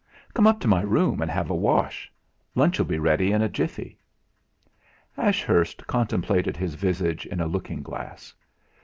"Come up to my room and have a wash. Lunch'll be ready in a jiffy." Ashurst contemplated his visage in a looking glass.